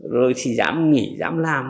rồi chỉ dám nghĩ dám làm